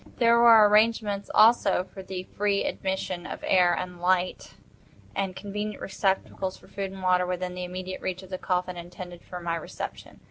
There were arrangements also for the free admission of air and light, and convenient receptacles for food and water, within immediate reach of the coffin intended for my reception.